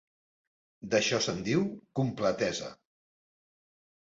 D'això se'n diu "completesa".